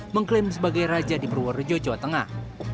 mengklaim sebagai raja di purworejo jawa tengah